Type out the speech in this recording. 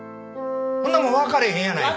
んなもん分からへんやないか！